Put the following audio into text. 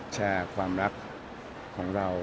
แชร์ความรักของเรา